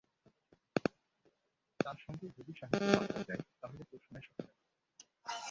তাঁর সঙ্গে যদি সাহিত্য পাঠ করা যায়, তাহলে তো সোনায় সোহাগা।